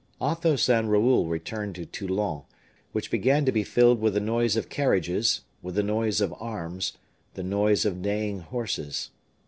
Athos and Raoul returned to Toulon, which began to be filled with the noise of carriages, with the noise of arms, the noise of neighing horses.